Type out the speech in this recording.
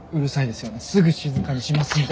すぐ静かにしますんで。